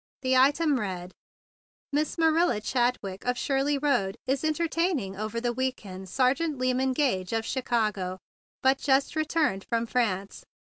The item read: "Miss Marilla Chadwick, of Shirley Road, is entertaining over the week end Sergeant Lyman Gage, of Chicago, but just returned from France.